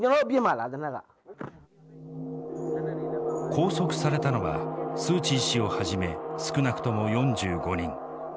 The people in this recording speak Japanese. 拘束されたのはスー・チー氏をはじめ少なくとも４５人。